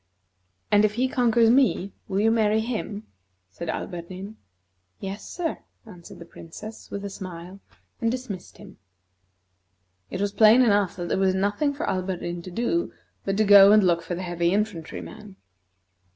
"And if he conquers me, you will marry him?" said Alberdin. "Yes, sir," answered the Princess, with a smile, and dismissed him. It was plain enough that there was nothing for Alberdin to do but to go and look for the heavy infantry man.